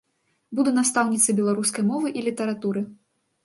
Буду настаўніцай беларускай мовы і літаратуры.